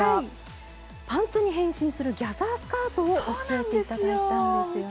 パンツに変身するギャザースカートを教えて頂いたんですよね。